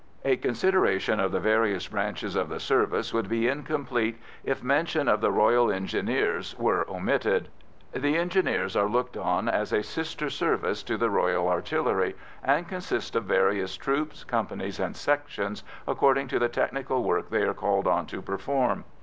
A consideration of the various branches of the service would be incomplete if mention of the Royal Engineers were omitted. The Engineers are looked on as a sister service to the Royal Artillery, and consist of various troops, companies, and sections, according to the technical work they are called on to perform.